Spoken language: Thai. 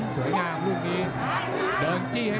เสวยงามฟูทควีน